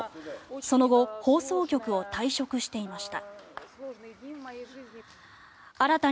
その後、放送局を退職していました。